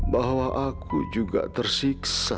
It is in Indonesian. selama aku meninggalkan muda